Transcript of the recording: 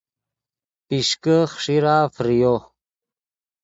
پیشکے خݰیرا فریو